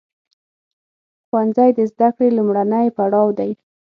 ښوونځی د زده کړې لومړنی پړاو دی.